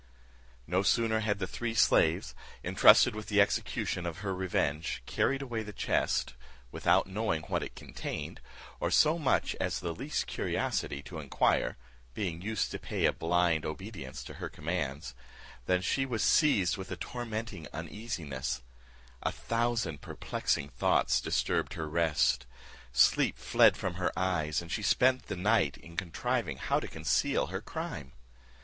No sooner had the three slaves, entrusted with the execution of her revenge, carried away the chest, without knowing what it contained, or so much as the least curiosity to inquire (being used to pay a blind obedience to her commands), than she was seized with a tormenting uneasiness; a thousand perplexing thoughts disturbed her rest; sleep fled from her eyes, and she spent the night in contriving how to conceal her crime.